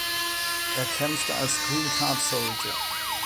Er kämpfte als „green card soldier“.